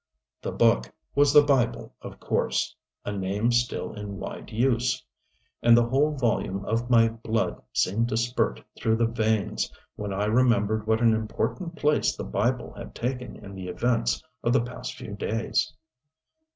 The "Book" was the Bible of course a name still in wide use. And the whole volume of my blood seemed to spurt through the veins when I remembered what an important place the Bible had taken in the events of the past few days!